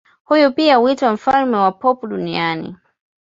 Huyu pia huitwa mfalme wa pop duniani.